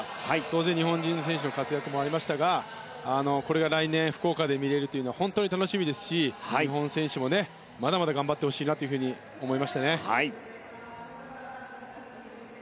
当然、日本人選手の活躍もありましたがこれが来年福岡で見れるというのは本当に楽しみですし日本選手もまだまだ頑張ってほしいなと思いましたね。